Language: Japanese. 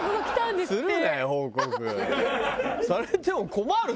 されても困るだろ。